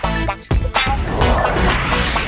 สวัสดีครับ